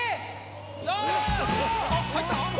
よし！